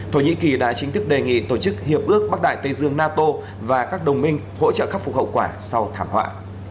thổ nhĩ kỳ đã chính thức đề nghị tổ chức hiệp ước bắc đại tây dương nato và các đồng minh hỗ trợ khắc phục hậu quả sau thảm họa